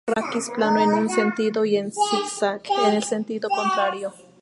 Raquis plano en un sentido y en zigzag en el sentido contrario.